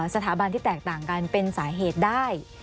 สถาบันที่แตกต่างกันเป็นสาเหตุได้